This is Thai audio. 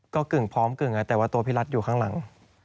ก็กึ่งพร้อมกึ่งแต่ว่าตัวพี่รัฐอยู่ข้างหลัง